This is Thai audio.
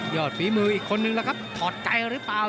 ยอดฟีมืออีกคนนึงแหละไว้ละครับถอยและใจหรือเปล่าเชอรี่